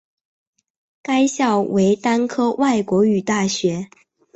该校为单科外国语大学。